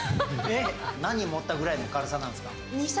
何持ったぐらいの軽さなんですか？